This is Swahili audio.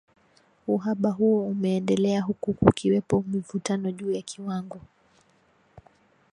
uhaba huo umeendelea huku kukiwepo mivutano juu ya kiwango